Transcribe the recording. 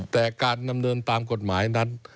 แต่การดำเนินตามกฎหมายนั้น